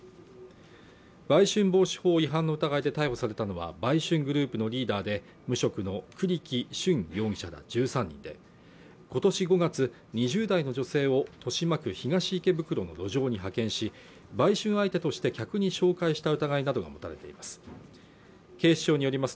売春防止法違反の疑いで逮捕されたのは売春グループのリーダーで無職の栗木容疑者ら１３人で今年５月２０代の女性を豊島区東池袋の路上に派遣し売春相手として客に紹介した疑いなどが持たれています